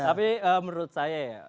tapi menurut saya